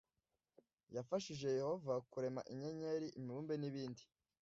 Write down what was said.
Yafashije Yehova kurema inyenyeri imibumbe nibindi